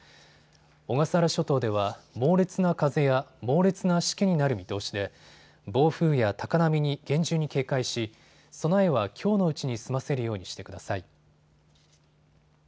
小笠原諸島では猛烈な風や猛烈なしけになる見通しで暴風や高波に厳重に警戒し、備えはきょうのうちに済ませるようにしてください。